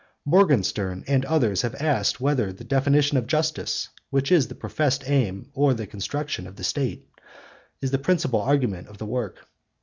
Morgenstern and others have asked whether the definition of justice, which is the professed aim, or the construction of the State is the principal argument of the work.